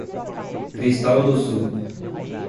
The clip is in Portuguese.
Cristal do Sul